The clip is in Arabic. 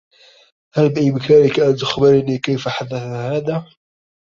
هل بإمكانك أن تخبرني كيف حدث هذا؟